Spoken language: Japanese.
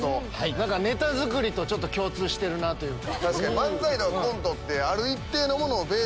何かネタ作りとちょっと共通してるなというか。